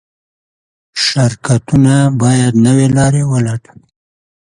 شرکتونه باید نوې لارې ولټوي.